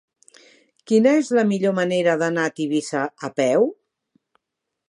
Quina és la millor manera d'anar a Tivissa a peu?